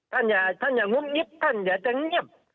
ท่านอย่างงุ่มนิดท่านอย่าจะเงียบ